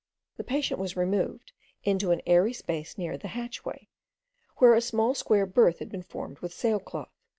The patient was removed into an airy place near the hatchway, where a small square berth had been formed with sailcloth.